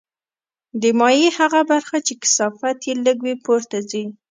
د مایع هغه برخه چې کثافت یې لږ وي پورته ځي.